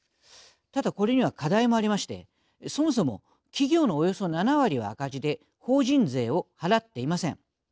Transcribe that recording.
ただこれには課題もありましてそもそも企業のおよそ７割は赤字で法人税を払っていません。